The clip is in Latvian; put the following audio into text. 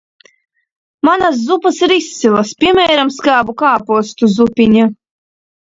Manas zupas ir izcilas, piemēram, skābu kāpostu zupiņa.